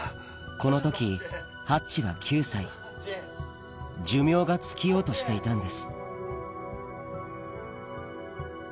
この時ハッチは９歳寿命が尽きようとしていたんです